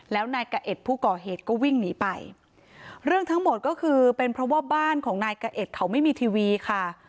แล้วนายกะเอ็ดผู้ก่อเหตุก็วิ่งหนีไปเรื่องทั้งหมดก็คือเป็นเพราะว่าบ้านของนายกะเอ็ดเขาไม่มีทีวีค่ะ